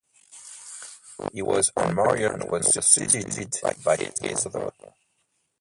He was unmarried and was succeeded by his brother.